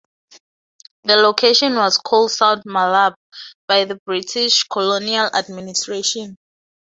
The location was called "South Malabar" by the British Colonial administration.